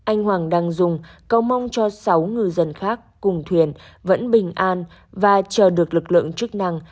anh hoàng đăng dung cầu mong cho sáu ngư dân khác cùng thuyền vẫn bình an và chờ được lực lượng chức năng